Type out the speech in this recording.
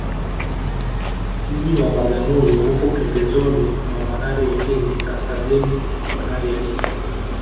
mji wa bagamoyo upo pembezoni mwa bahari ya hindi kaskazini mwa bahari ya hindi